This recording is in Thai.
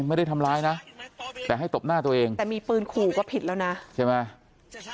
ไม่ได้ทำร้ายนะแต่ให้ตบหน้าตัวเองแต่มีปืนขู่ก็ผิดแล้วนะใช่ไหม